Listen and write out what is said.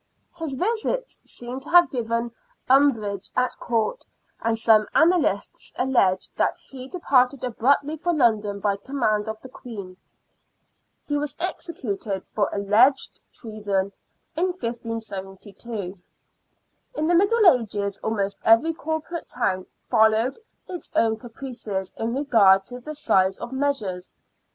His visit seems to have given umbrage at Court, and some annalists allege that he departed abruptly for London by command of the Queen. He was executed for alleged treason in 1572. In the Middle Ages almost every corporate town 48 SIXTEENTH CENTURY BRISTOL. followed its own caprices in regard to the size of measures.